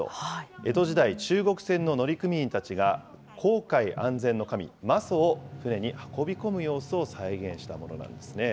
江戸時代、中国船の乗組員たちが航海安全の神、媽祖を船に運び込む様子を再現したものなんですね。